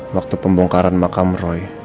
waktu pembongkaran makam roy